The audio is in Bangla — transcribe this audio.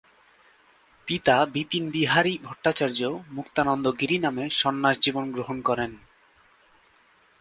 পিতা বিপিনবিহারী ভট্টাচার্য মুক্তানন্দ গিরি নামে সন্ন্যাসজীবন গ্রহণ করেন।